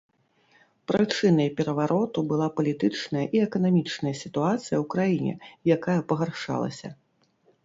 Прычынай перавароту была палітычная і эканамічная сітуацыя ў краіне, якая пагаршалася.